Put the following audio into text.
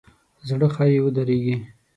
زړه ښایي ودریږي.